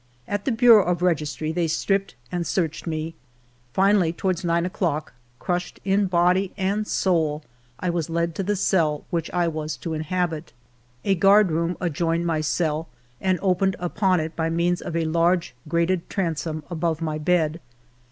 At the Bureau of Registry they stripped and searched me. Finally, toward nine o'clock, crushed in body and soul, I was led to the cell which I was to inhabit. A guard room adjoined my cell and opened upon it by means of a large grated transom above my bed.